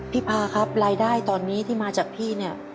พาครับรายได้ตอนนี้ที่มาจากพี่เนี่ย